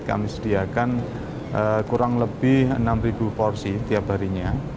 kami sediakan kurang lebih enam porsi tiap harinya